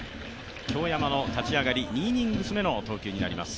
京山の立ち上がり、２イニングス目の投球になります。